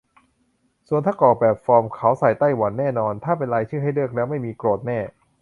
ส่วนถ้ากรอกแบบฟอร์ม เขาใส่ไต้หวันแน่นอน - ถ้าเป็นรายชื่อให้เลือก แล้วไม่มี โกรธแน่